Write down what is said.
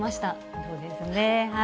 そうですね。